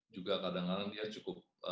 juga kadang kadang dia cukup